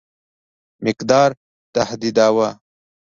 مقدار تهدیداوه.